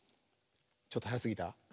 ちょっとはやすぎた？